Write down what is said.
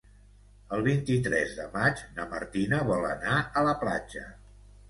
El vint-i-tres de maig na Martina vol anar a la platja.